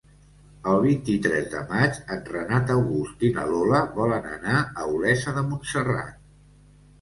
El vint-i-tres de maig en Renat August i na Lola volen anar a Olesa de Montserrat.